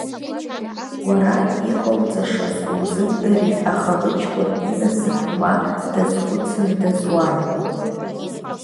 Уара иҟоуҵашаз узымдырит, аха лыҷкәын инасыԥ ма дазхәыцындаз уан.